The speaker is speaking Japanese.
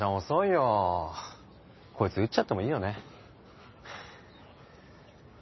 遅いよこいつ撃っちゃってもいいよね？